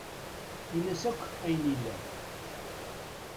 Ini-as akk ayen yellan.